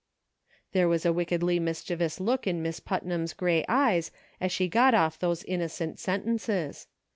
There was a wickedly mischievous look in Miss Putnam's gray eyes as she got off these innocent sentences.